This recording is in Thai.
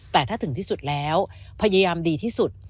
แต่ถ้าถึงที่สุดแล้วพยายามดีที่สุด